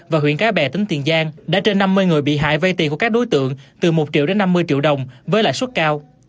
và huyện cái bè tỉnh tiền giang đã trên năm mươi người bị hại vay tiền của các đối tượng từ một triệu đến năm mươi triệu đồng với lãi suất cao